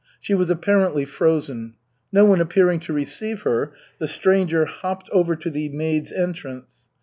She was apparently frozen. No one appearing to receive her, the stranger hopped over to the maids' entrance.